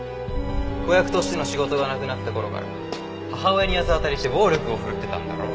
子役としての仕事がなくなった頃から母親に八つ当たりして暴力を振るってたんだろ？